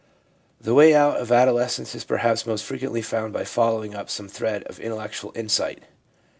The way out of adolescence is perhaps most fre quently found by following up some thread of intellectual insight.